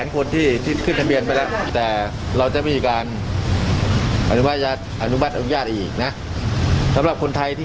กลักตัวก็จะแบบเท่านี่